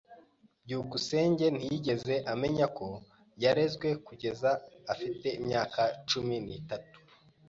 byukusenge ntiyigeze amenya ko yarezwe kugeza afite imyaka cumi n'itatu.